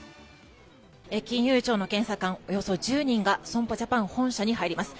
金融庁の検査官およそ１０人が損保ジャパン本社に入ります。